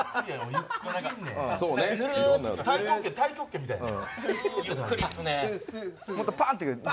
太極拳みたいやったな。